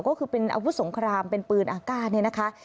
ก็คือเป็นอาวุธสงครามเป็นปืนอากาศเนี่ยนะคะ